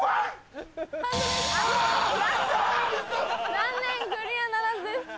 残念クリアならずです。